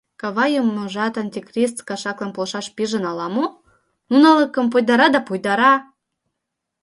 Кава юмыжат антикрист кашаклан полшаш пижын ала-мо — нунылакым пойдара да пойдара!